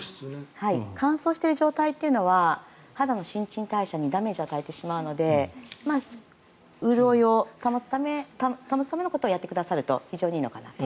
乾燥している状態というのは肌の新陳代謝にダメージを与えてしまうので潤いを保つためのことをやってくださると非常にいいのかなと。